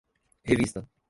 revista